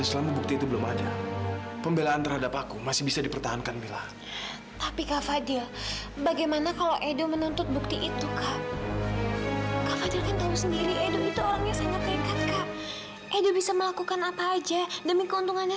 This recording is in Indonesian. sampai jumpa di video selanjutnya